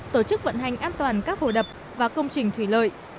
tổ chức vận hành an toàn các hồ đập và công trình thủy lợi